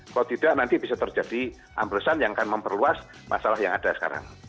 kalau tidak nanti bisa terjadi amblesan yang akan memperluas masalah yang ada sekarang